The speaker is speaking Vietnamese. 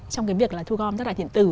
trong cái việc là thu công rác đại thiện tử